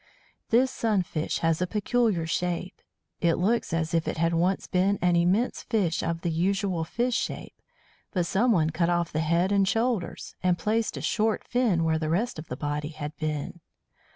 This Sunfish has a peculiar shape. It looks as if it had once been an immense fish of the usual fish shape, but someone cut off the head and shoulders, and placed a short fin where the rest of the body had been.